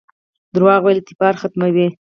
دروغ ویل اعتبار ختموي